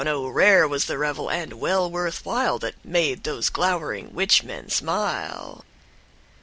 (O rare was the revel, and well worth while That made those glowering witch men smile.)